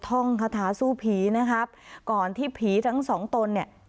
ท่องคาถาสู้ผีนะครับก่อนที่ผีทั้งสองตนเนี่ย